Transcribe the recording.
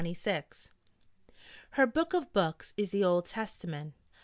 Her book of books is the Old Testament.